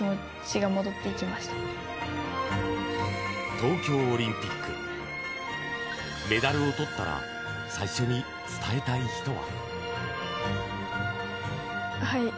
東京オリンピックメダルをとったら最初に伝えたい人は？